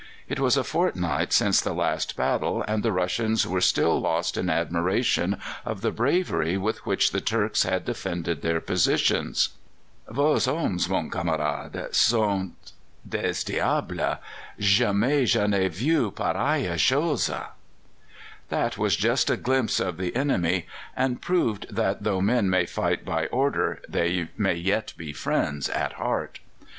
It was a fortnight since the last battle, and the Russians were still lost in admiration of the bravery with which the Turks had defended their positions. "Vos hommes, mon camarade, sont des diables. Jamais je n'ai vu pareille chose." That was just a glimpse of the enemy, and proved that, though men may fight by order, they may yet be friends at heart.